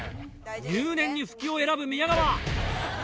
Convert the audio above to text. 入念に蕗を選ぶ宮川。